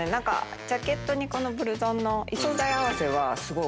ジャケットにこのブルゾンの異素材合わせはすごい